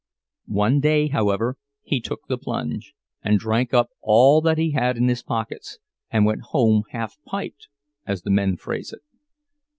One day, however, he took the plunge, and drank up all that he had in his pockets, and went home half "piped," as the men phrase it.